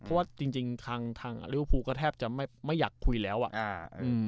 เพราะว่าจริงจริงทางทางอลิเวอร์ฟูก็แทบจะไม่ไม่อยากคุยแล้วอ่ะอ่าอืม